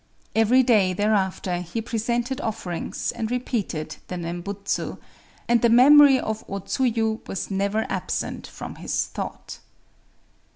Every day thereafter he presented offerings, and repeated the Nembutsu; and the memory of O Tsuyu was never absent from his thought.